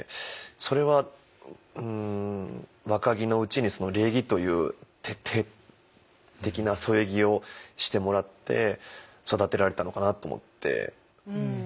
それは若木のうちに礼儀という徹底的な添え木をしてもらって育てられたのかなと思って。